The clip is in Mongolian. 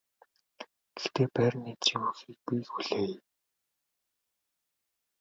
Гэхдээ байрны эзэн юу гэхийг би хүлээе.